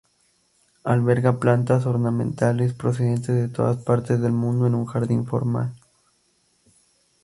Alberga plantas ornamentales procedentes de todas partes del mundo en un jardín formal.